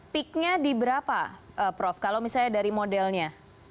peak nya di berapa prof kalau misalnya dari modelnya